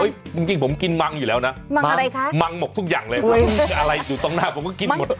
จริงผมกินมังอยู่แล้วนะมังอะไรคะมังหมดทุกอย่างเลยครับอะไรอยู่ตรงหน้าผมก็กินหมด